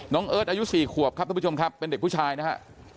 เอิร์ทอายุ๔ขวบครับทุกผู้ชมครับเป็นเด็กผู้ชายนะฮะ